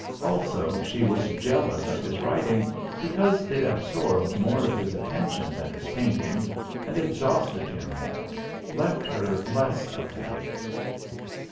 Also she was jealous of his writing because it absorbed more of his attention than his painting, and exhausted him more, left her less of him.